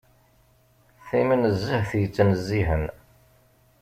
Timnezzeht yettnezzihen.